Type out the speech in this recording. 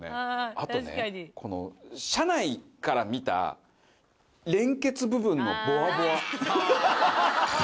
あとね、この車内から見た、連結部分のぼわぼわ。